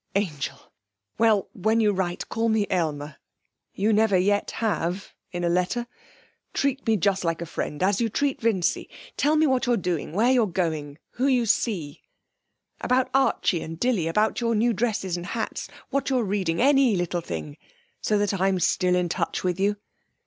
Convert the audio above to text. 'Angel! Well, when you write, call me Aylmer. You never have yet, in a letter. Treat me just like a friend as you treat Vincy. Tell me what you're doing, where you're going, who you see; about Archie and Dilly; about your new dresses and hats; what you're reading any little thing, so that I'm still in touch with you.'